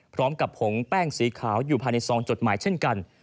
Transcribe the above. พร้อมกับผงแป้งสีขาวอยู่ภายในซองจดหมายเช่นกัน